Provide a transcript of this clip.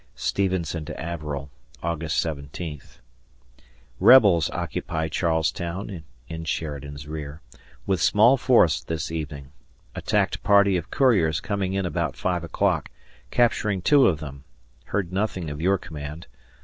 [Stevenson to Averell] August 17th. Rebels occupy Charles Town (in Sheridan's rear) with small force this evening. Attacked party of couriers coming in about five o'clock, capturing two of them; heard nothing of your command.